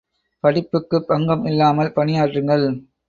படிப்புக்குப் பங்கம் இல்லாமல் பணியாற்றுங்கள்.